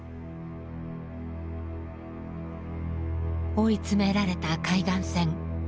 追い詰められた海岸線。